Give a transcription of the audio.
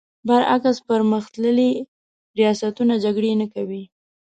برعکس پر مختللي ریاستونه جګړې نه کوي.